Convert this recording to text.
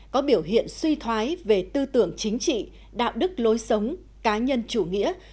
có biểu hiện suy thoái về tư tưởng chính trị đạo đức lối sống cá nhân chủ nghĩa